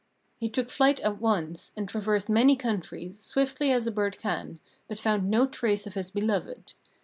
He took flight at once, and traversed many countries, swiftly as a bird can, but found no trace of his beloved.